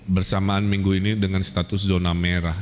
bersamaan minggu ini dengan status zona merah